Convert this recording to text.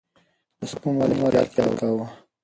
د سفر پر مهال احتياط کاوه.